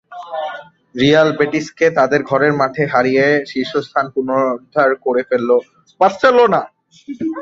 Real বেটিসকে তাদের ঘরের মাঠে হারিয়ে শীর্ষস্থান পুনরুদ্ধার করে ফেলে বার্সেলোনা।